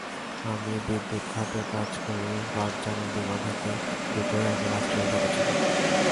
আমি বিদ্যুৎ খাতে কাজ করি, ফারজানা বিমা খাতে—দুটোই আগে রাষ্ট্রীয় খাতে ছিল।